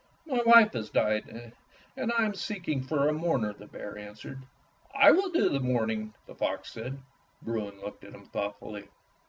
"My wife has died, and I am seeking for a mourner," the bear answered. "I will do the mourning," the fox said. Bruin looked at him thoughtfully.